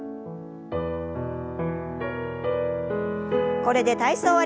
これで体操を終わります。